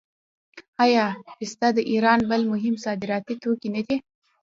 آیا پسته د ایران بل مهم صادراتي توکی نه دی؟